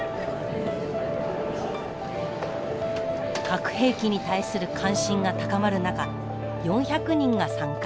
核兵器に対する関心が高まる中４００人が参加。